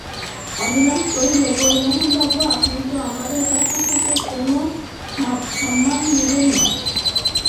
অবিনাশ কহিল, গৌরমোহনবাবু, আপনি তো আমাদের কাছ থেকে কোনো সম্মান নেবেন না।